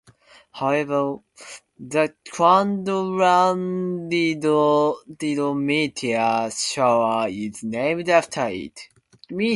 However, the Quadrantid meteor shower is named after it.